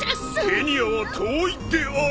ケニアは遠いである！